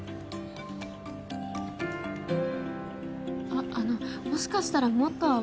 あっあのもしかしたらもっと淡い色の方が。